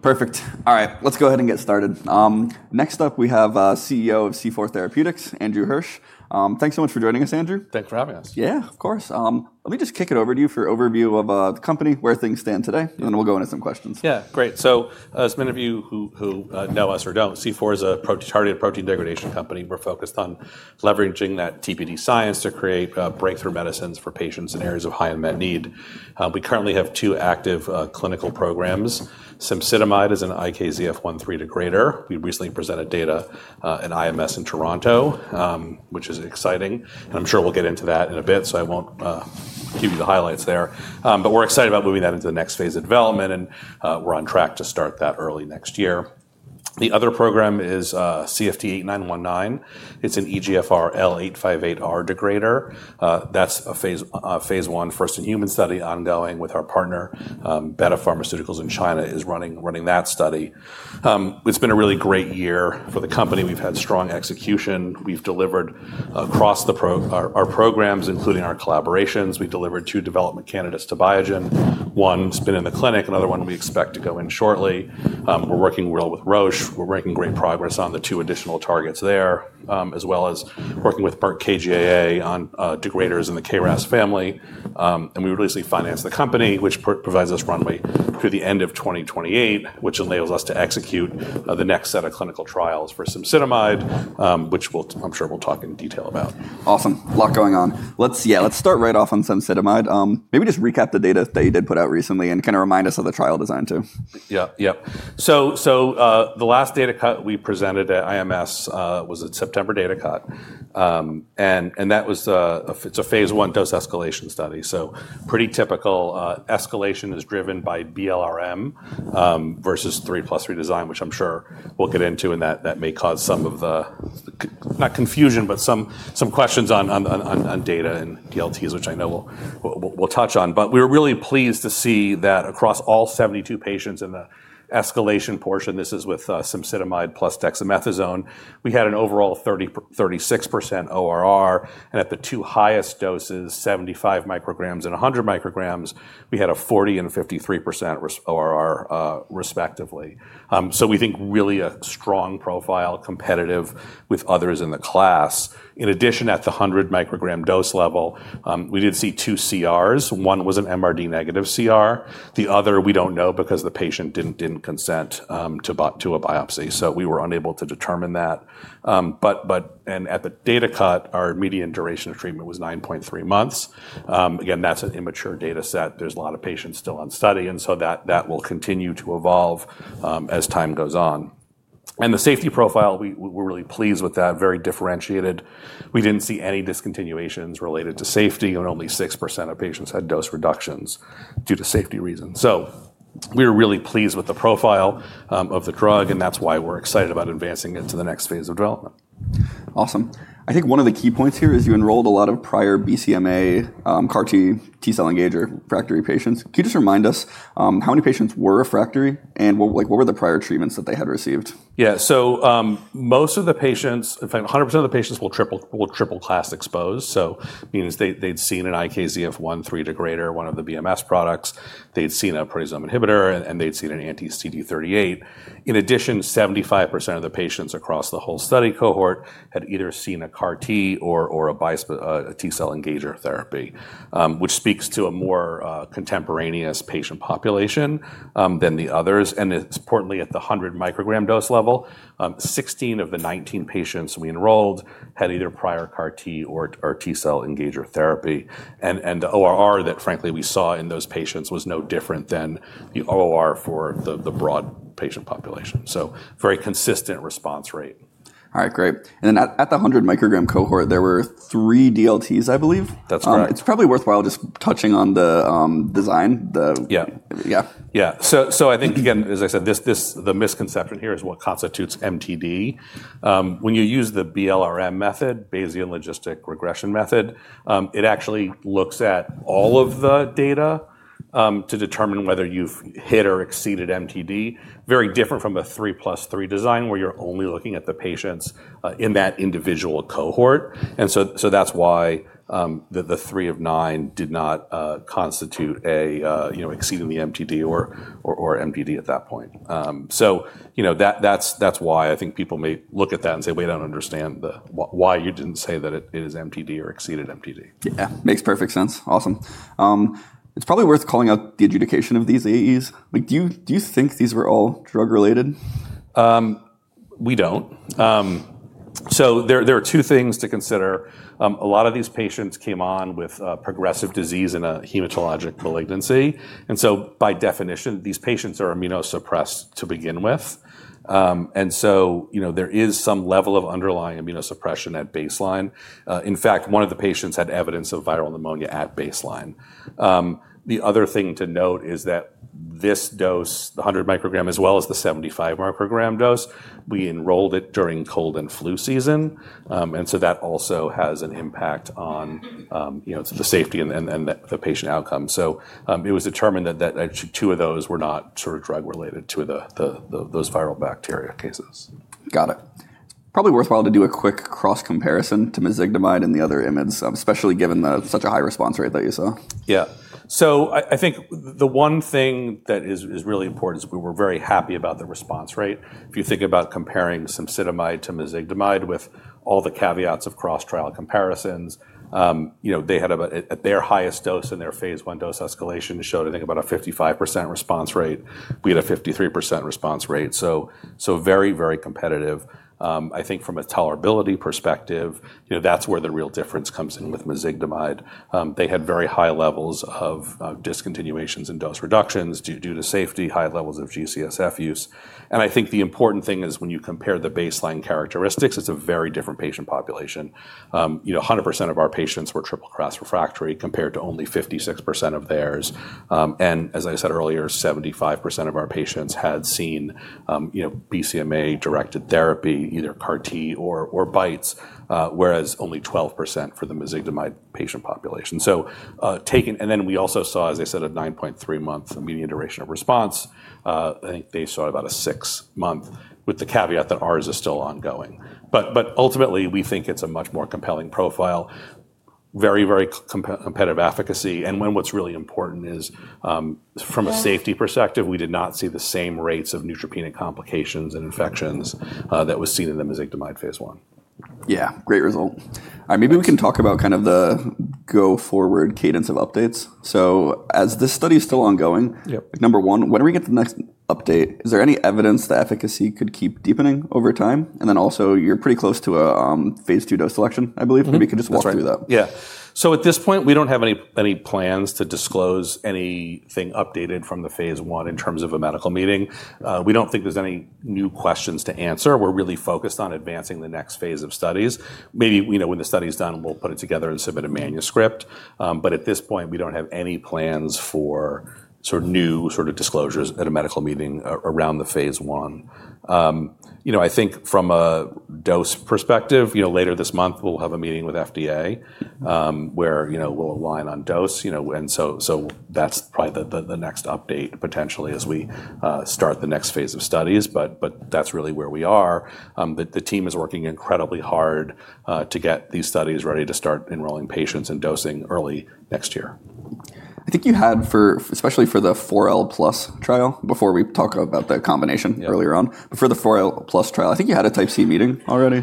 Perfect. All right, let's go ahead and get started. Next up, we have CEO of C4 Therapeutics, Andrew Hirsch. Thanks so much for joining us, Andrew. Thanks for having us. Yeah, of course. Let me just kick it over to you for an overview of the company, where things stand today, and then we'll go into some questions. Yeah, great, so as many of you who know us or don't, C4 is a targeted protein degradation company. We're focused on leveraging that TPD science to create breakthrough medicines for patients in areas of high unmet need. We currently have two active clinical programs. Cemsidomide is an IKZF1/3 degrader. We recently presented data in IMS in Toronto, which is exciting, and I'm sure we'll get into that in a bit, so I won't give you the highlights there, but we're excited about moving that into the next phase of development, and we're on track to start that early next year. The other program is CFT8919. It's an EGFR L858R degrader. That's a phase one first-in-human study ongoing with our partner, Betta Pharmaceuticals in China, is running that study. It's been a really great year for the company. We've had strong execution. We've delivered across our programs, including our collaborations. We delivered two development candidates to Biogen. One's been in the clinic. Another one we expect to go in shortly. We're working well with Roche. We're making great progress on the two additional targets there, as well as working with Merck KGaA on degraders in the KRAS family, and we recently financed the company, which provides us runway through the end of 2028, which enables us to execute the next set of clinical trials for cemsidomide, which I'm sure we'll talk in detail about. Awesome. A lot going on. Yeah, let's start right off on cemsidomide. Maybe just recap the data that you did put out recently and kind of remind us of the trial design, too. Yeah, yep. So the last data cut we presented at IMS was a September data cut. And that was a phase one dose escalation study. So pretty typical. Escalation is driven by BLRM versus 3+3 design, which I'm sure we'll get into, and that may cause some of the, not confusion, but some questions on data and DLTs, which I know we'll touch on. But we were really pleased to see that across all 72 patients in the escalation portion, this is with cemsidomide plus dexamethasone, we had an overall 36% ORR, and at the two highest doses, 75 mcg and 100 mcg, we had a 40% and 53% ORR, respectively. So we think really a strong profile, competitive with others in the class. In addition, at the 100 mcg dose level, we did see two CRs. One was an MRD negative CR. The other, we don't know because the patient didn't consent to a biopsy, so we were unable to determine that. And at the data cut, our median duration of treatment was 9.3 months. Again, that's an immature data set. There's a lot of patients still on study, and so that will continue to evolve as time goes on. And the safety profile, we're really pleased with that, very differentiated. We didn't see any discontinuations related to safety, and only 6% of patients had dose reductions due to safety reasons. So we were really pleased with the profile of the drug, and that's why we're excited about advancing it to the next phase of development. Awesome. I think one of the key points here is you enrolled a lot of prior BCMA CAR T-cell engager refractory patients. Can you just remind us how many patients were refractory, and what were the prior treatments that they had received? Yeah, so most of the patients, in fact, 100% of the patients were triple-class exposed. So meaning they'd seen an IKZF1/3 degrader, one of the BMS products. They'd seen a proteasome inhibitor, and they'd seen an anti-CD38. In addition, 75% of the patients across the whole study cohort had either seen a CAR T or a T-cell engager therapy, which speaks to a more contemporaneous patient population than the others. Importantly, at the 100 mcg dose level, 16 of the 19 patients we enrolled had either prior CAR T or T-cell engager therapy. And the ORR that, frankly, we saw in those patients was no different than the ORR for the broad patient population. So very consistent response rate. All right, great. And then at the 100 mcg cohort, there were three DLTs, I believe. That's correct. It's probably worthwhile just touching on the design. Yeah. Yeah. Yeah. So I think, again, as I said, the misconception here is what constitutes MTD. When you use the BLRM method, Bayesian Logistic Regression Method, it actually looks at all of the data to determine whether you've hit or exceeded MTD, very different from a 3+3 design where you're only looking at the patients in that individual cohort. And so that's why the three of nine did not constitute exceeding the MTD or MDD at that point. So that's why I think people may look at that and say, "We don't understand why you didn't say that it is MTD or exceeded MTD. Yeah, makes perfect sense. Awesome. It's probably worth calling out the adjudication of these AEs. Do you think these were all drug-related? We don't, so there are two things to consider. A lot of these patients came on with progressive disease and a hematologic malignancy, and so by definition, these patients are immunosuppressed to begin with, and so there is some level of underlying immunosuppression at baseline. In fact, one of the patients had evidence of viral pneumonia at baseline. The other thing to note is that this dose, the 100 mcg as well as the 75 mcg dose, we enrolled it during cold and flu season, and so that also has an impact on the safety and the patient outcome, so it was determined that two of those were not drug-related to those viral bacteria cases. Got it. Probably worthwhile to do a quick cross-comparison to mezigdomide and the other imids, especially given such a high response rate that you saw. Yeah. I think the one thing that is really important is we were very happy about the response rate. If you think about comparing cemsidomide to mezigdomide with all the caveats of cross-trial comparisons, they had, at their highest dose and their phase one dose escalation, showed, I think, about a 55% response rate. We had a 53% response rate. So very, very competitive. I think from a tolerability perspective, that's where the real difference comes in with mezigdomide. They had very high levels of discontinuations and dose reductions due to safety, high levels of G-CSF use. I think the important thing is when you compare the baseline characteristics, it's a very different patient population. 100% of our patients were triple-class refractory compared to only 56% of theirs. As I said earlier, 75% of our patients had seen BCMA-directed therapy, either CAR T or BiTEs, whereas only 12% for the mezigdomide patient population. Then we also saw, as I said, a 9.3-month median duration of response. I think they saw about a six-month, with the caveat that ours is still ongoing. But ultimately, we think it's a much more compelling profile, very, very competitive efficacy. What's really important is from a safety perspective, we did not see the same rates of neutropenic complications and infections that were seen in the mezigdomide phase one. Yeah, great result. All right, maybe we can talk about kind of the go-forward cadence of updates. So as this study is still ongoing, number one, when do we get the next update? Is there any evidence the efficacy could keep deepening over time? And then also, you're pretty close to a phase 2 dose selection, I believe. Maybe you could just walk through that. That's right. Yeah. So at this point, we don't have any plans to disclose anything updated from the phase one in terms of a medical meeting. We don't think there's any new questions to answer. We're really focused on advancing the next phase of studies. Maybe when the study is done, we'll put it together and submit a manuscript. But at this point, we don't have any plans for new disclosures at a medical meeting around the phase one. I think from a dose perspective, later this month, we'll have a meeting with FDA where we'll align on dose. And so that's probably the next update, potentially, as we start the next phase of studies. But that's really where we are. The team is working incredibly hard to get these studies ready to start enrolling patients and dosing early next year. I think you had, especially for the 4L+ trial, before we talk about the combination earlier on, but for the 4L+ trial, I think you had a Type C meeting already?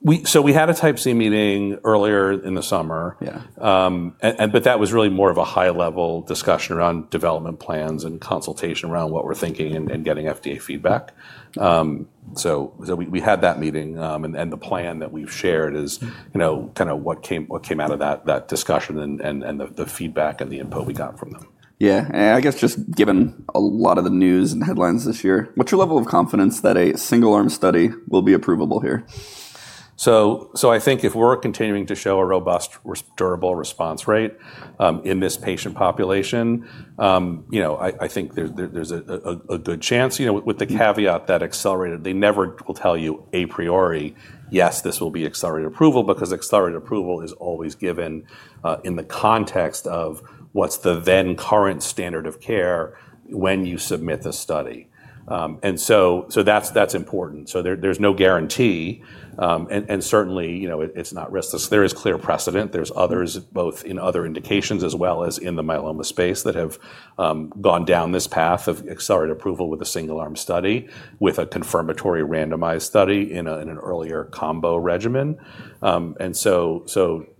We had a Type C meeting earlier in the summer. But that was really more of a high-level discussion around development plans and consultation around what we're thinking and getting FDA feedback. So we had that meeting, and the plan that we've shared is kind of what came out of that discussion and the feedback and the input we got from them. Yeah. And I guess just given a lot of the news and headlines this year, what's your level of confidence that a single-arm study will be approvable here? I think if we're continuing to show a robust, durable response rate in this patient population, I think there's a good chance, with the caveat that accelerated, they never will tell you a priori, yes, this will be accelerated approval, because accelerated approval is always given in the context of what's the then current standard of care when you submit the study. That's important. There's no guarantee. Certainly, it's not riskless. There is clear precedent. There's others, both in other indications as well as in the myeloma space, that have gone down this path of accelerated approval with a single-arm study with a confirmatory randomized study in an earlier combo regimen.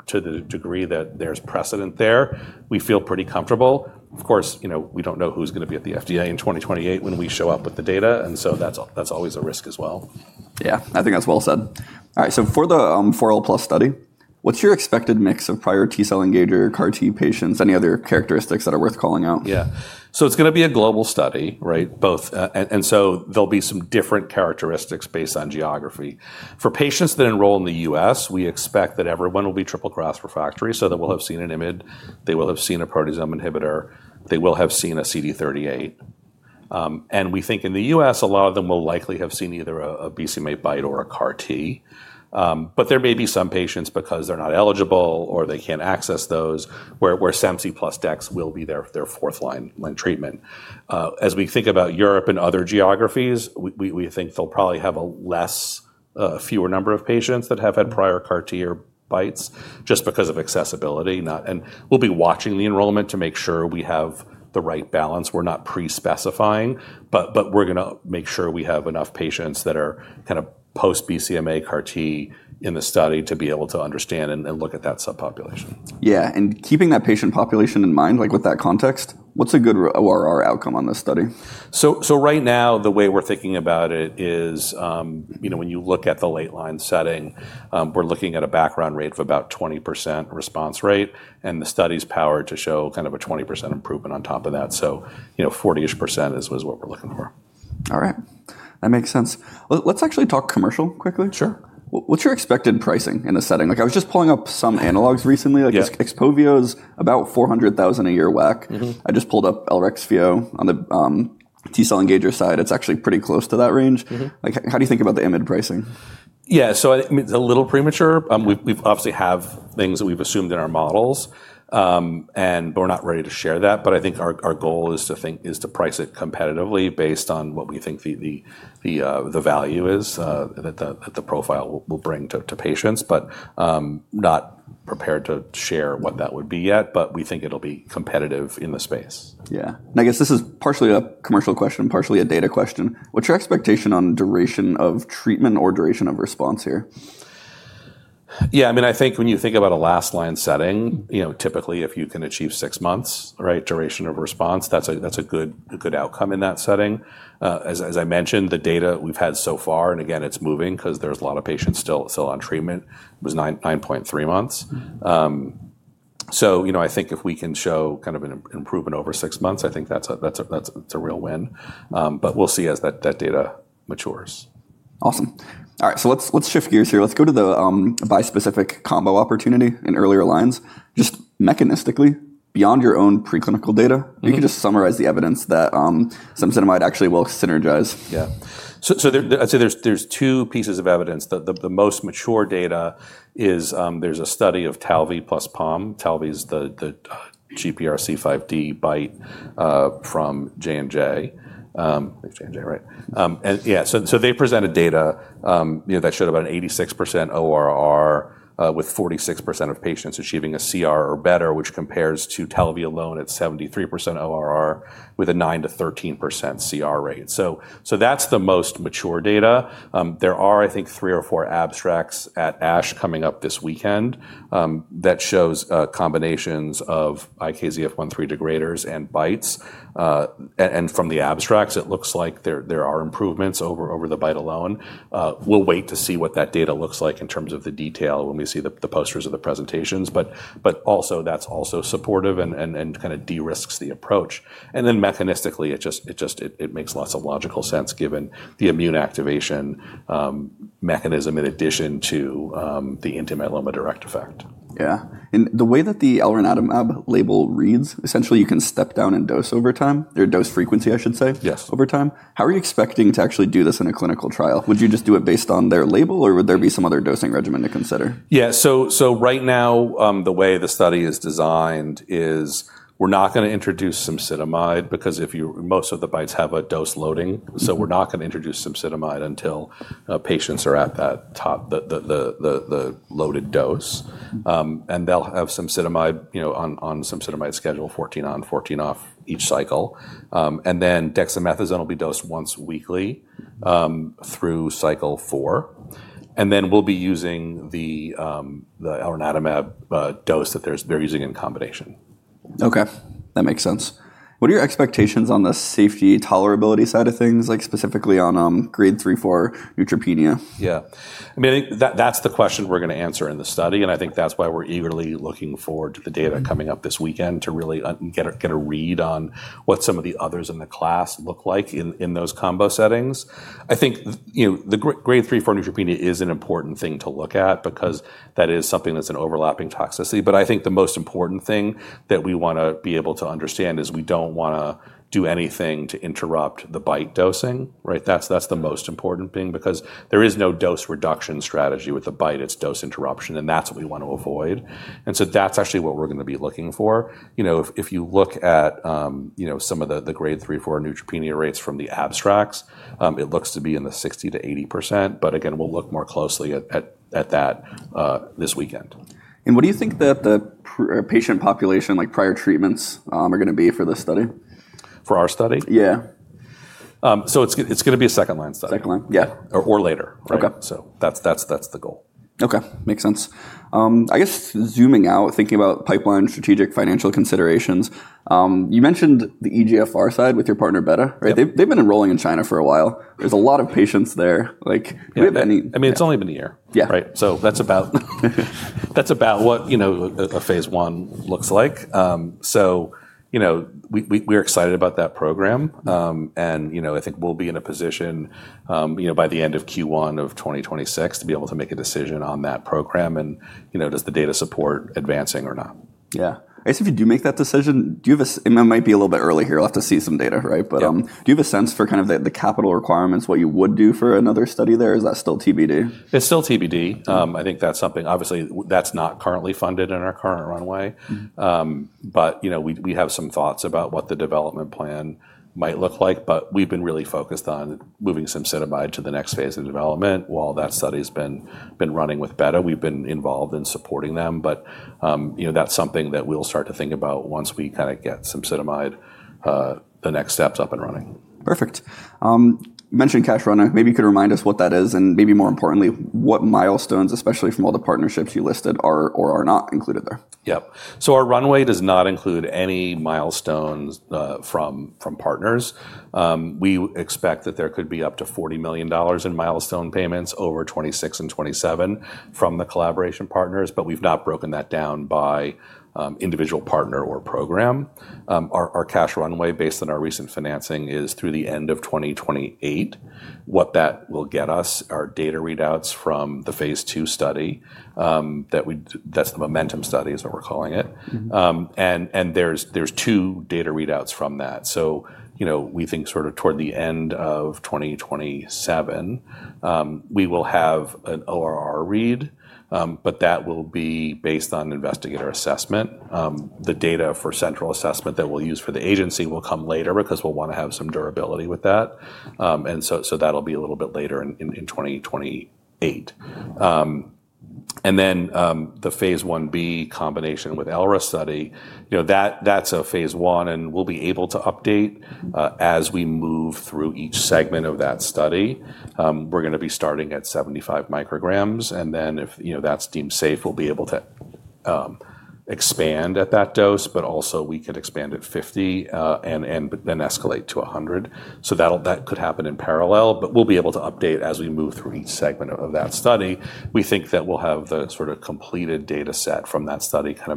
To the degree that there's precedent there, we feel pretty comfortable. Of course, we don't know who's going to be at the FDA in 2028 when we show up with the data. And so that's always a risk as well. Yeah, I think that's well said. All right, so for the 4L+ study, what's your expected mix of prior T-cell engager CAR T patients? Any other characteristics that are worth calling out? Yeah. So it's going to be a global study, right? And so there'll be some different characteristics based on geography. For patients that enroll in the U.S., we expect that everyone will be triple-class refractory. So they will have seen an IMiD. They will have seen a proteasome inhibitor. They will have seen a CD38. And we think in the U.S., a lot of them will likely have seen either a BCMA BiTE or a CAR T. But there may be some patients, because they're not eligible or they can't access those, where cemsidomide plus DEX will be their fourth-line treatment. As we think about Europe and other geographies, we think they'll probably have a fewer number of patients that have had prior CAR T or BiTEs, just because of accessibility. And we'll be watching the enrollment to make sure we have the right balance. We're not pre-specifying, but we're going to make sure we have enough patients that are kind of post-BCMA CAR T in the study to be able to understand and look at that subpopulation. Yeah. And keeping that patient population in mind, with that context, what's a good ORR outcome on this study? Right now, the way we're thinking about it is when you look at the late line setting, we're looking at a background rate of about 20% response rate, and the study's power to show kind of a 20% improvement on top of that. 40-ish% is what we're looking for. All right. That makes sense. Let's actually talk commercial quickly. Sure. What's your expected pricing in the setting? I was just pulling up some analogs recently. Xpovio is about $400,000 a year WAC. I just pulled up Elrexfio on the T-cell engager side. It's actually pretty close to that range. How do you think about the IMID pricing? Yeah, so it's a little premature. We obviously have things that we've assumed in our models, but we're not ready to share that. But I think our goal is to price it competitively based on what we think the value is that the profile will bring to patients. But not prepared to share what that would be yet, but we think it'll be competitive in the space. Yeah, and I guess this is partially a commercial question, partially a data question. What's your expectation on duration of treatment or duration of response here? Yeah, I mean, I think when you think about a last line setting, typically, if you can achieve six months duration of response, that's a good outcome in that setting. As I mentioned, the data we've had so far, and again, it's moving because there's a lot of patients still on treatment, was 9.3 months. So I think if we can show kind of an improvement over six months, I think that's a real win. But we'll see as that data matures. Awesome. All right, so let's shift gears here. Let's go to the bispecific combo opportunity in earlier lines. Just mechanistically, beyond your own preclinical data, if you could just summarize the evidence that cemsidomide actually will synergize. Yeah, so I'd say there's two pieces of evidence. The most mature data is there's a study of Talvey plus POM. Talvey is the GPRC5D BiTE from J&J. I think it's J&J, right? Yeah. So they presented data that showed about an 86% ORR with 46% of patients achieving a CR or better, which compares to Talvey alone at 73% ORR with a 9%-13% CR rate. So that's the most mature data. There are, I think, three or four abstracts at ASH coming up this weekend that show combinations of IKZF1/3 degraders and BiTEs. And from the abstracts, it looks like there are improvements over the BiTE alone. We'll wait to see what that data looks like in terms of the detail when we see the posters of the presentations. But also, that's also supportive and kind of de-risks the approach. And then mechanistically, it makes lots of logical sense given the immune activation mechanism in addition to the anti-myeloma direct effect. Yeah. And the way that the Elrexfio label reads, essentially, you can step down in dose over time or dose frequency, I should say, over time. How are you expecting to actually do this in a clinical trial? Would you just do it based on their label, or would there be some other dosing regimen to consider? Yeah. So right now, the way the study is designed is we're not going to introduce cemsidomide because most of the BiTEs have a dose loading. So we're not going to introduce cemsidomide until patients are at the loaded dose. And they'll have cemsidomide on cemsidomide schedule, 14 on, 14 off each cycle. And then dexamethasone will be dosed once weekly through cycle four. And then we'll be using the Elrexfio dose that they're using in combination. Okay. That makes sense. What are your expectations on the safety tolerability side of things, specifically on grade 3/4 neutropenia? Yeah. I mean, I think that's the question we're going to answer in the study, and I think that's why we're eagerly looking forward to the data coming up this weekend to really get a read on what some of the others in the class look like in those combo settings. I think the grade 3/4 neutropenia is an important thing to look at because that is something that's an overlapping toxicity, but I think the most important thing that we want to be able to understand is we don't want to do anything to interrupt the BiTE dosing. That's the most important thing because there is no dose reduction strategy with the BiTE. It's dose interruption, and that's what we want to avoid, and so that's actually what we're going to be looking for. If you look at some of the grade 3/4 neutropenia rates from the abstracts, it looks to be in the 60%-80%. But again, we'll look more closely at that this weekend. And what do you think that the patient population, like prior treatments, are going to be for this study? For our study? Yeah. It's going to be a second-line study. Second line? Yeah, or later. So that's the goal. Okay. Makes sense. I guess zooming out, thinking about pipeline strategic financial considerations, you mentioned the EGFR side with your partner, Betta. They've been enrolling in China for a while. There's a lot of patients there. I mean, it's only been a year. So that's about what a phase one looks like. So we're excited about that program. And I think we'll be in a position by the end of Q1 of 2026 to be able to make a decision on that program and does the data support advancing or not. Yeah. I guess if you do make that decision, do you have a, and it might be a little bit early here. We'll have to see some data, right? But do you have a sense for kind of the capital requirements, what you would do for another study there? Is that still TBD? It's still TBD. I think that's something obviously, that's not currently funded in our current runway. But we have some thoughts about what the development plan might look like. But we've been really focused on moving cemsidomide to the next phase of development while that study has been running with Betta. We've been involved in supporting them. But that's something that we'll start to think about once we kind of get cemsidomide the next steps up and running. Perfect. You mentioned cash runway. Maybe you could remind us what that is and maybe more importantly, what milestones, especially from all the partnerships you listed, are or are not included there? Yep, so our runway does not include any milestones from partners. We expect that there could be up to $40 million in milestone payments over 2026 and 2027 from the collaboration partners, but we've not broken that down by individual partner or program. Our cash runway, based on our recent financing, is through the end of 2028. What that will get us are data readouts from the phase two study that's the MOMENTUM study, is what we're calling it, and there's two data readouts from that. So we think sort of toward the end of 2027, we will have an ORR read, but that will be based on investigator assessment. The data for central assessment that we'll use for the agency will come later because we'll want to have some durability with that, and so that'll be a little bit later in 2028. And then the phase 1b combination with Elrexfio study, that's a phase one, and we'll be able to update as we move through each segment of that study. We're going to be starting at 75 mcg. And then if that's deemed safe, we'll be able to expand at that dose, but also we could expand at 50 and then escalate to 100. So that could happen in parallel, but we'll be able to update as we move through each segment of that study. We think that we'll have the sort of completed data set from that study.